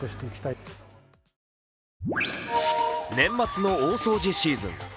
年末の大掃除シーズン。